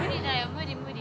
無理無理。